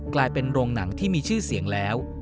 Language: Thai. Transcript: กลายเป็นโรงหนังที่มีชื่อเสียงแล้ว